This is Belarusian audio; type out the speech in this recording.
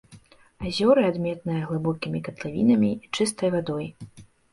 Азёры адметныя глыбокімі катлавінамі і чыстай вадой.